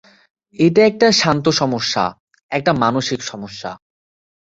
এটা একটা শান্ত সমস্যা, একটা মানসিক সমস্যা।